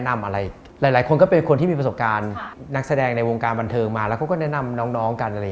มีวงการบันเทิงมาก็นำน้องกัน